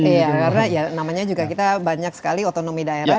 karena namanya juga kita banyak sekali otonomi daerah